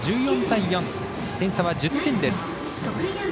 １４対４、点差は１０点です。